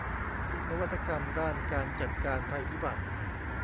นวัตกรรมด้านการจัดการภัยพิบัติ